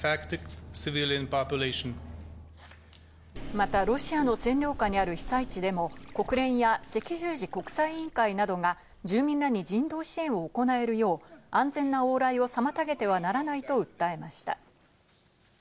またロシアの占領下にある被災地でも、国連や赤十字国際委員会などが住民らに人道支援を行えるよう、安全な往来を妨げてはならないと訴えました。